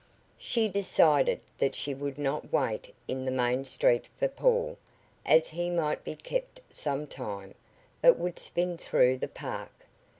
She decided that she would not wait in the main street for Paul, as he might be kept some time, but would spin through the park.